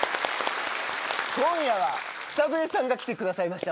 今夜は草笛さんが来てくださいました。